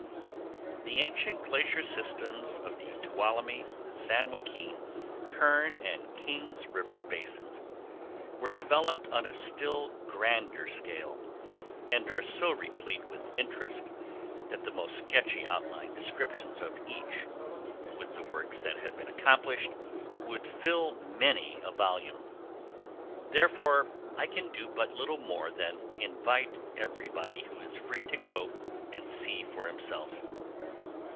The ancient glacier systems of the Tuolumne, San Joaquin, Kern, and Kings River Basins were developed on a still grander scale and are so replete with interest that the most sketchy outline descriptions of each, with the works they have accomplished would fill many a volume. Therefore I can do but little more than invite everybody who is free to go and see for himself.